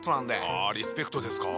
あリスペクトですか。